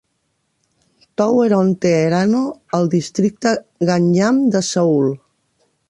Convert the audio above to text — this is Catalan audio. Tower on Teheranno al districte Gangnam de Seül.